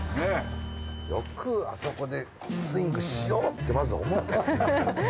よくあそこでスイングしようってまず思ったよね。